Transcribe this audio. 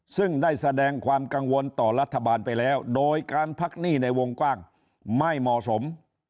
ซึ่งได้แสดงความกังวลต่อรัฐบาลไปแล้วโดยการพักหนี้ในวงกว้างไม่เหมาะสม